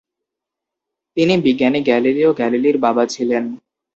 তিনি বিজ্ঞানি গ্যালিলিও গ্যালিলির বাবা ছিলেন।